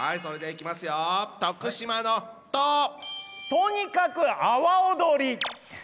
とにかく阿波おどり！